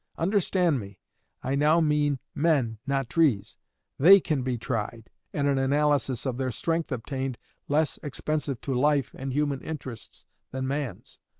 Understand me, I now mean men, not trees; they can be tried, and an analysis of their strength obtained less expensive to life and human interests than man's.